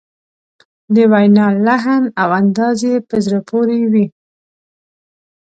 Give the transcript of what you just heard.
د وینا لحن او انداز یې په زړه پورې وي.